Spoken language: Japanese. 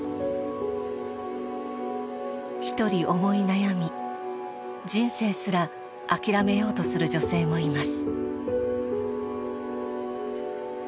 一人思い悩み人生すら諦めようとする女性もいます。